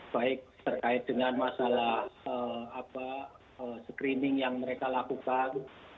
baik terkait dengan masalah screening yang mereka lakukan